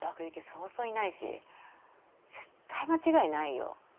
そうそういないし絶対間違いないよ